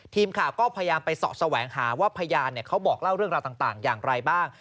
ทีมข่าวก็พยายามไปเสาะแสวงหาว่าพยานเขาบอกเล่าเรื่องราวต่างอย่างไรบ้าง